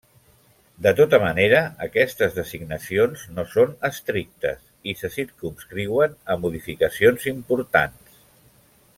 De tota manera aquestes designacions no són estrictes i se circumscriuen a modificacions importants.